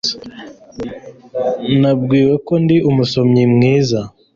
Nabwiwe ko ndi umusomyi mwiza